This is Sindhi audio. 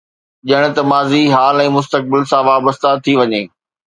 ڄڻ ته ماضي، حال ۽ مستقبل سان وابسته ٿي وڃي.